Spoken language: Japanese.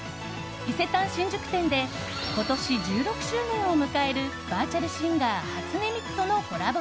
伊勢丹新宿店で今年１６周年を迎えるバーチャルシンガー初音ミクとのコラボ